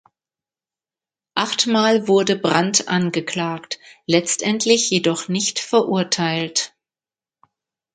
Achtmal wurde Brandt angeklagt, letztendlich jedoch nicht verurteilt.